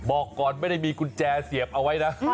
บอกก่อนไม่ได้มีกุญแจเสียบเอาไว้นะ